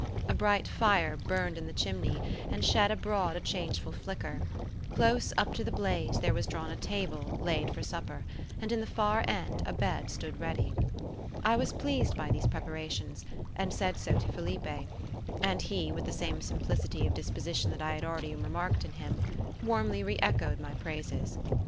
A bright fire burned in the chimney, and shed abroad a changeful flicker; close up to the blaze there was drawn a table, laid for supper; and in the far end a bed stood ready. I was pleased by these preparations, and said so to Felipe; and he, with the same simplicity of disposition that I held already remarked in him, warmly re echoed my praises.